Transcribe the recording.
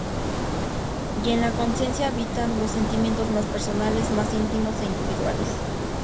Y en la conciencia habitan los sentimientos más personales, más íntimos e individuales.